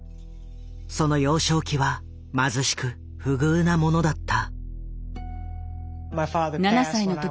その幼少期は貧しく不遇なものだった。